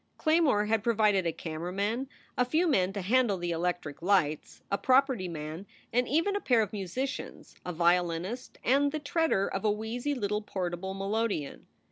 Claymore had provided a camera man, a few men to handle the electric lights, a property man, and even a pair of musicians a violinist and the treader of a wheezy little portable melodeon.